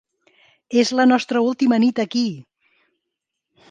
És la nostra última nit aquí!